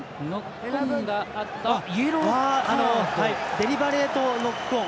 デリバレイトノックオン。